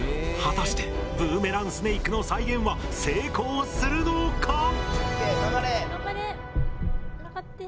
果たしてブーメランスネイクの再現は成功するのか。